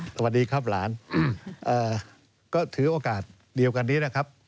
สวัสดีครับหลานก็ถือโอกาสเดียวกันนี้นะครับ